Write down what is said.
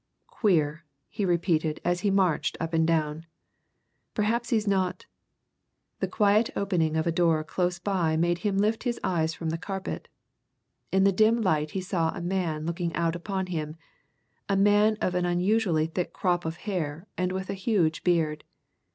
"Queer!" he repeated as he marched up and down. "Perhaps he's not " The quiet opening of a door close by made him lift his eyes from the carpet. In the dim light he saw a man looking out upon him a man of an unusually thick crop of hair and with a huge beard.